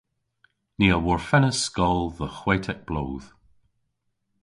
Ni a worfennas skol dhe hwetek bloodh.